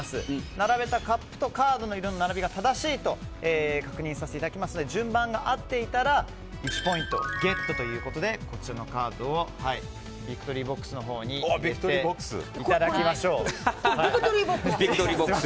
並べたカップとカードの並びが正しいか確認させていただきますので順番が合っていたら１ポイントゲットということでこちらのカードをビクトリーボックスにこれ、ビクトリーボックス？